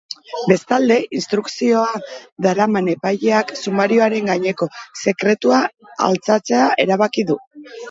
Bestalde, instrukzioa daraman epaileak sumarioaren gaineko sekretua altxatzea erabaki du.